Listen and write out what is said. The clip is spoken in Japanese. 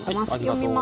読みます。